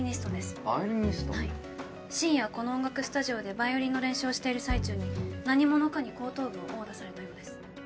深夜この音楽スタジオでバイオリンの練習をしている最中に何者かに後頭部を殴打されたようです。